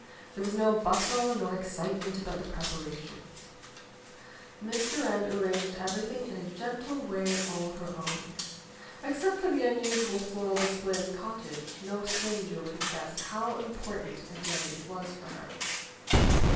There was no bustle nor excitement about the preparations. Miss Durand arranged everything in a gentle way all her own. Except for the unusual floral display in the cottage, no stranger would have guessed how important a day it was for her.